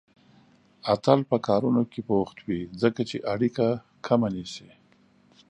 اتل به په کارونو کې بوخت وي، ځکه چې اړيکه کمه نيسي